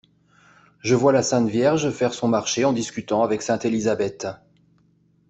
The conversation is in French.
Je vois la Sainte Vierge faire son marché en discutant avec sainte Elisabeth.